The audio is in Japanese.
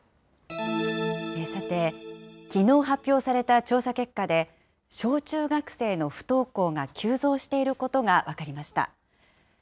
さて、きのう発表された調査結果で、小中学生の不登校が急増していることが分かりました。